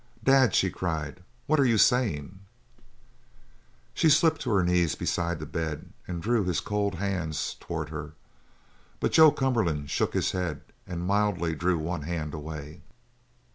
"Dad!" she cried. "What are you saying?" She slipped to her knees beside the bed and drew his cold hands towards her, but Joe Cumberland shook his head and mildly drew one hand away.